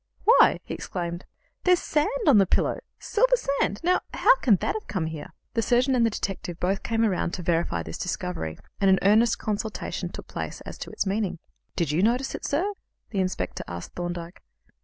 "Why," he exclaimed, "there's sand on the pillow silver sand! Now, how can that have come there?" The surgeon and the detective both came round to verify this discovery, and an earnest consultation took place as to its meaning. "Did you notice it, sir?" the inspector asked Thorndyke.